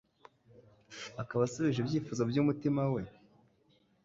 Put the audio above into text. akaba asubije ibyifuzo by'umutima we?